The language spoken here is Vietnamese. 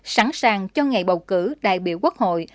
sẵn sàng cho ngày bầu cử đại biểu quốc hội